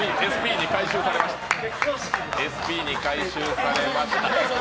ＳＰに回収されました。